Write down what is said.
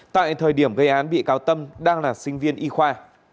tại thời điểm gây án bị cáo tâm đang là sinh viên y khoa